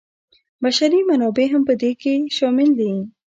بشري منابع هم په دې کې شامل دي.